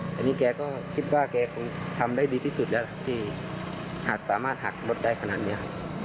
แต่นี่แกก็คิดว่าแกคงทำได้ดีที่สุดแล้วที่อาจสามารถหักรถได้ขนาดนี้ครับ